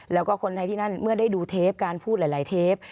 แล้วก็คนไทยที่นั่นเมื่อได้ดูเทปการพูดหลายเทป